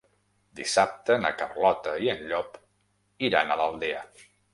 Dissabte na Carlota i en Llop iran a l'Aldea.